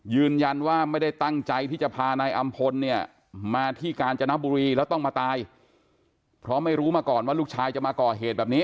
ยืนยันว่าไม่ได้ตั้งใจที่จะพานายอำพลเนี่ยมาที่กาญจนบุรีแล้วต้องมาตายเพราะไม่รู้มาก่อนว่าลูกชายจะมาก่อเหตุแบบนี้